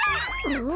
うん？